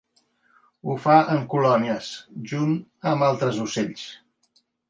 Ho fa en colònies, junt amb altres ocells.